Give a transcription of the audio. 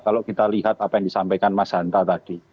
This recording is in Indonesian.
kalau kita lihat apa yang disampaikan mas hanta tadi